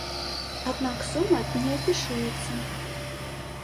Аднак сума не афішуецца.